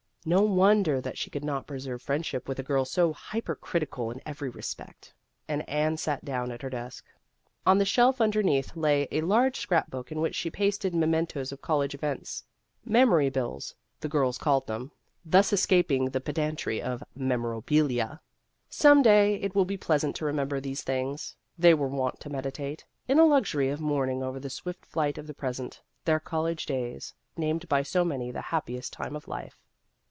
No wonder that she could not preserve friendship with a girl so hypercritical in every respect ; and Anne sat down at her desk. On the shelf underneath lay a large scrap book in which she pasted me mentos of college events. " Memory Bills " the girls called them, thus escaping i3 2 Vassar Studies the pedantry of memorabilia. Some day it will be pleasant to remember these things, they were wont to meditate, in a luxury of mourning over the swift flight of the present, their college days, named by so many the happiest time of life.